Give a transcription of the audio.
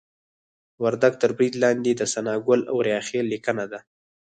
وردګ تر برید لاندې د ثناګل اوریاخیل لیکنه ده